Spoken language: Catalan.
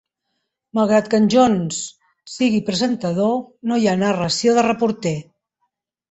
Malgrat que en Jones sigui presentador, no hi ha narració de reporter.